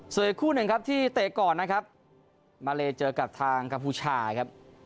ส่วนอีกคู่หนึ่งครับที่เตะก่อนนะครับมาเลเจอกับทางกัมพูชาครับ